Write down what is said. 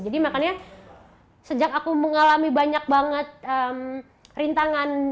jadi makanya sejak aku mengalami banyak banget rintangan